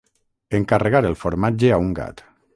Encarregar el formatge a un gat.